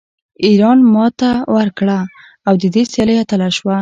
ایران ته ماتې ورکړه او د دې سیالۍ اتله شوه